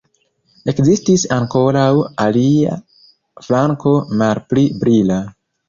Ekzistis ankoraŭ alia flanko, malpli brila.